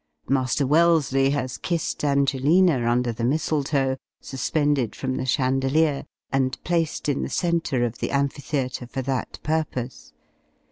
Master Wellesley has kissed Angelina under the misletoe, suspended from the chandelier, and placed in the centre of the amphitheatre, for that purpose.